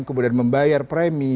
kemudian membayar premi